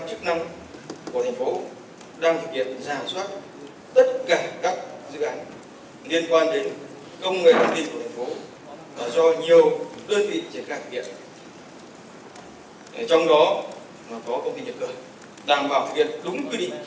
trong đó có công ty nhật cường đang vào thực hiện đúng quy định của công đồng